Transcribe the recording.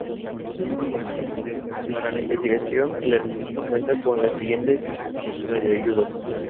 Para la navegación el aeropuerto cuenta con las siguientes radio ayudas